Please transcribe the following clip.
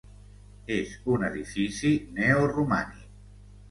És un edifici neoromànic.